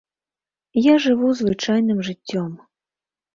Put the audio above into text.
Я жыву звычайным жыццём.